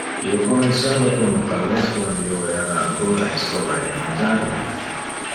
Io comenciava con le ballet quando io era ancora in schola elementari.